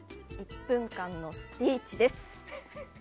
１分間のスピーチです。